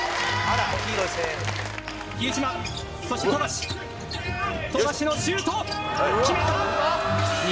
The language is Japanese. そして富樫富樫のシュートきめた！